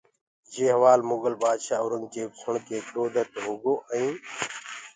يي هوآل مُگل بآدشآه اورنٚگجيب سُڻڪي ڪروڌِتِ هوگوائينٚ